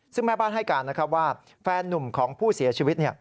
ซึ่งแม่บ้านให้การนะครับว่าแฟนนุ่มของผู้เสียชีวิต